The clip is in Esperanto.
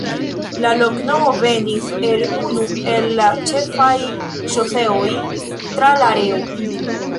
La loknomo venis el unu el la ĉefaj ŝoseoj tra la areo.